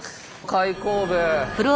開口部。